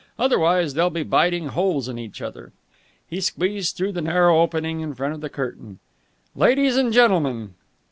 Otherwise they'll be biting holes in each other." He squeezed through the narrow opening in front of the curtain. "Ladies and gentlemen!"